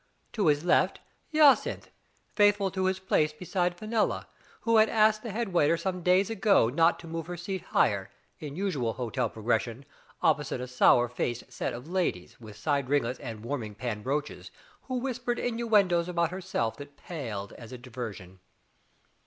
To his left Jacynth, faithful to his place beside Fenella, who had asked the head waiter some days ago not to move her seat higher, in usual hotel progres sion, opposite a sour faced set of ladies, with side ringlets and warming pan brooches, who whisp ered inuendoes about herself that palled as a diversion.